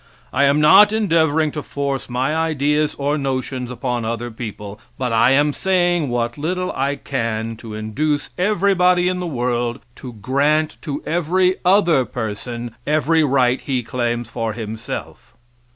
I am not endeavoring to force my ideas or notions upon other people, but I am saying what little I can to induce everybody in the world to grant to every other person every right he claims for himself.